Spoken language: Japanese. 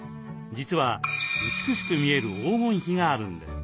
実は美しく見える黄金比があるんです。